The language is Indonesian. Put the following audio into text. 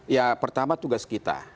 ya pertama tugas kita